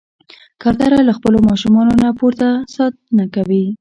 کوتره له خپلو ماشومانو نه پوره ساتنه کوي.